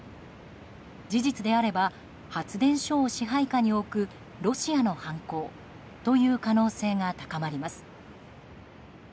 事実であれば、発電所を支配下に置くロシアの犯行という可能性が高まります。